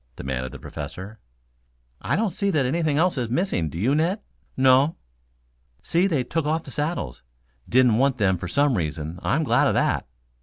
demanded the Professor. "I don't see that anything else is missing, do you, Ned?" "No." "See, they took off the saddles. Didn't want them for some reason. I'm glad of that.